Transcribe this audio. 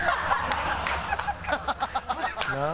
なあ？